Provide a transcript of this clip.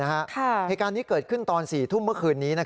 เหตุการณ์นี้เกิดขึ้นตอน๔ทุ่มเมื่อคืนนี้